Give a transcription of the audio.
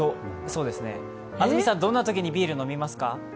安住さん、どんなときにビール飲みますか？